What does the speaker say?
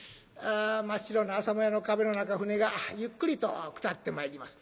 真っ白な朝もやの壁の中船がゆっくりと下ってまいります。